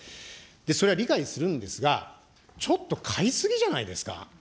それは理解するんですが、ちょっと買い過ぎじゃないですか。